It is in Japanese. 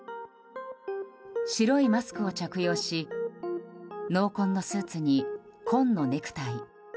白いマスクを着用し濃紺のスーツに紺のネクタイ。